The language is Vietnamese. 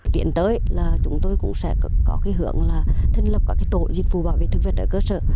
tiến tới là chúng tôi cũng sẽ có cái hướng là thành lập các tổ dịch vụ bảo vệ thực vật ở cơ sở